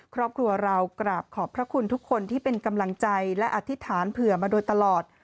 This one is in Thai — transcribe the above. ครอบครัวเรากราบขอบพระคุณทุกคนที่เป็นกำลังใจและอธิษฐานเผื่อมาโดยตลอด